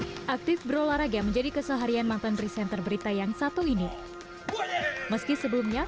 hai aktif berolahraga menjadi keseharian mantan presenter berita yang satu ini meski sebelumnya